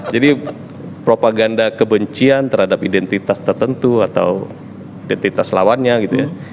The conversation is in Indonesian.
jadi propaganda kebencian terhadap identitas tertentu atau identitas lawannya gitu ya